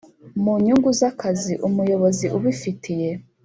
Mu nyungu z akazi umuyobozi ubifitiye